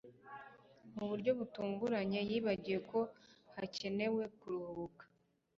mu buryo butunguranye, yibagiwe ko hakenewe kuruhuka